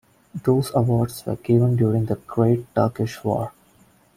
Those awards were given during the Great Turkish War.